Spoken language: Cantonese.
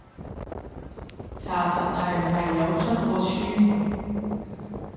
查實係唔係有出過書？